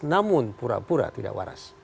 namun pura pura tidak waras